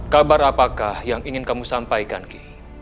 kabar apakah yang ingin kamu sampaikan ki